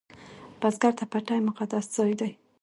بزګر ته پټی مقدس ځای دی